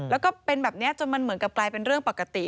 แล้วก็เป็นแบบนี้จนมันเหมือนกับกลายเป็นเรื่องปกติ